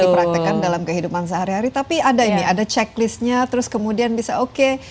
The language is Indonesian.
dipraktekkan dalam kehidupan sehari hari tapi ada ini ada checklistnya terus kemudian bisa oke